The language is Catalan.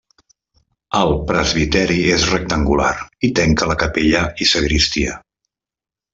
El presbiteri és rectangular i tenca la capella i sagristia.